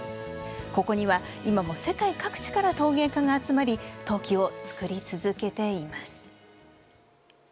ここには、今も世界各地から陶芸家が集まり陶器を作り続けています。